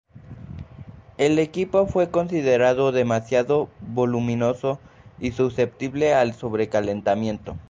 El equipo fue considerado demasiado voluminoso y susceptible al sobrecalentamiento.